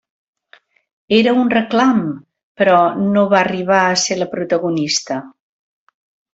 Era un reclam, però no va arribar a ser la protagonista.